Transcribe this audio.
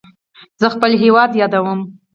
زه خپل هیواد یادوم.